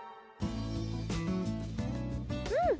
うん！